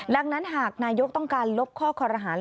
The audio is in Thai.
ดังนั้นหากนายกต้องการลบข้อคอรหาร